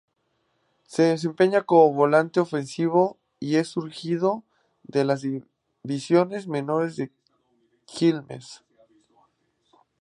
Se desempeña como volante ofensivo, y es surgido de las divisiones menores de Quilmes.